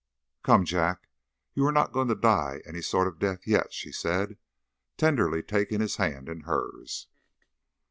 "Come, Jack, you are not going to die any sort of death yet," she said, tenderly taking his hand in hers.